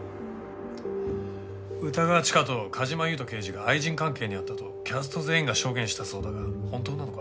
歌川チカと梶間優人刑事が愛人関係にあったとキャスト全員が証言したそうだが本当なのか？